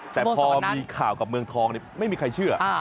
แต่พอมีข่าวกับเมืองทองไม่มีใครเชื่อ